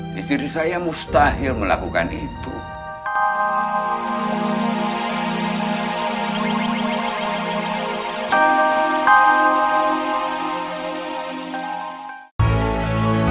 disitu dusnya mas volver ke daniela tiga ratus delapan puluh dua cing dan siapa yang tadi itu